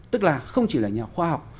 tức là không chỉ là nhà khoa học